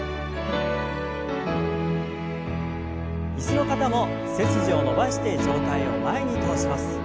椅子の方も背筋を伸ばして上体を前に倒します。